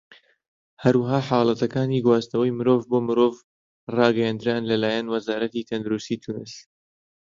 هەروەها، حاڵەتەکانی گواستنەوەی مرۆڤ بۆ مرۆڤ ڕاگەیەنران لەلایەن وەزارەتی تەندروستی تونس.